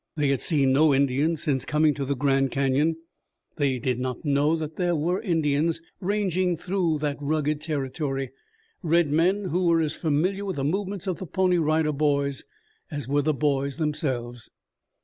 They had seen no Indians since coming to the Grand Canyon. They did not know that there were Indians ranging through that rugged territory, red men who were as familiar with the movements of the Pony Rider Boys as were the boys themselves.